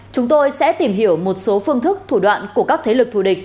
chúng tôi sẽ tìm hiểu một số phương thức thủ đoạn của các thế lực thù địch